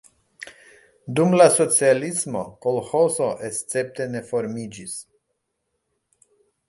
Dum la socialismo kolĥozo escepte ne formiĝis.